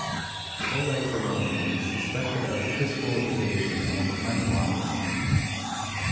Oleg Voronin is suspected of fiscal evasion and money laundering.